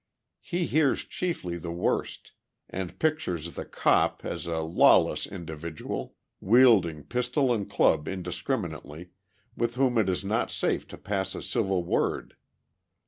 He hears chiefly the worst, and pictures the "cop" as a lawless individual, wielding pistol and club indiscriminately, with whom it is not safe to pass a civil word.